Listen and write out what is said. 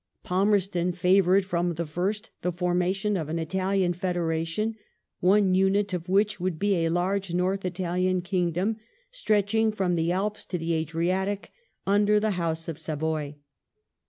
^ Palmei ston favoured from the first the formation of an movement Italian federation, one unit of which should be a large North Italian Kingdom, stretching from the Alps to the Adriatic, under the House of Savoy.